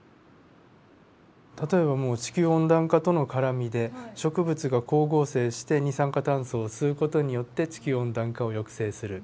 例えばもう地球温暖化との絡みで植物が光合成して二酸化炭素を吸う事によって地球温暖化を抑制する。